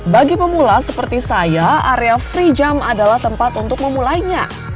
bagi pemula seperti saya area free jump adalah tempat untuk memulainya